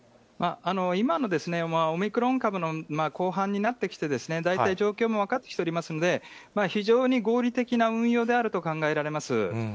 今のオミクロン株のこうはんになってきて、大体状況も分かってきておりますので、非常に合理的な運用であると考えられます。